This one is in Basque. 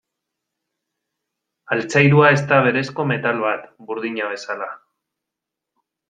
Altzairua ez da berezko metal bat, burdina bezala.